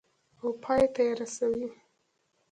او پای ته یې رسوي.